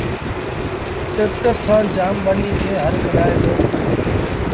ٽيڪٽر سآݩ جآم ٻنيٚ کي هر ڪڍآئي دو